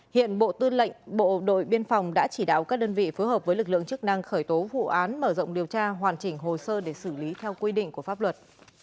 hiện bộ tư lệnh bộ đội biên phòng đã chỉ đạo các đơn vị phối hợp với lực lượng chức năng khởi tố vụ án mở rộng điều tra hoàn chỉnh hồ sơ để xử lý theo quy định của pháp luật